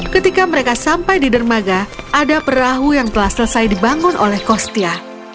ketika mereka sampai di dermaga ada perahu yang telah selesai dibangun oleh kostia